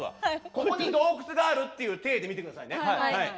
ここに洞窟があるっていう体で見てくださいね。